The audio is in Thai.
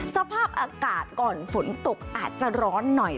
สภาพอากาศก่อนฝนตกอาจจะร้อนหน่อย